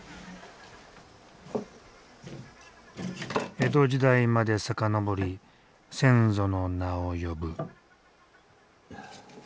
江戸時代まで遡り先祖の名を呼ぶ。